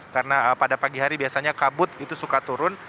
karena pada pagi hari biasanya kabut itu suka turun